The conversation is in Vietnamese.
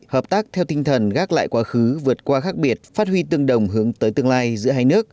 hợp tác theo tinh thần gác lại quá khứ vượt qua khác biệt phát huy tương đồng hướng tới tương lai giữa hai nước